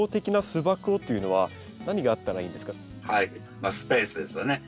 まあスペースですよね。